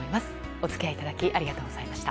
お付き合いいただきありがとうございました。